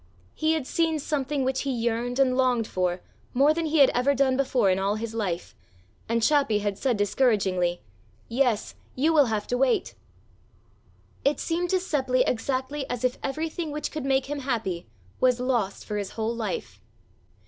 He had seen something which he yearned and longed for more than he had ever done before in all his life, and Chappi had said discouragingly: "Yes, you will have to wait!" It seemed to Seppli exactly as if everything which could make him happy was lost for his whole life.